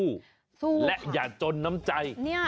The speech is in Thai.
สู้ค่ะสู้ค่ะและอย่าจนน้ำใจ